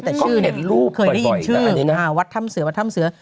แต่ชื่อเคยได้ยินชื่อวัดธรรมเสือ